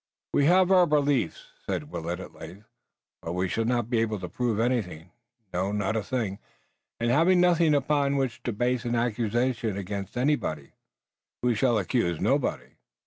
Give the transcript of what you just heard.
"We have our beliefs," said Willet at length, "but we shall not be able to prove anything, no, not a thing, and, having nothing upon which to base an accusation against anybody, we shall accuse nobody."